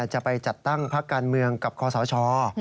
จะไปจัดตั้งพักการเมืองกับคอสช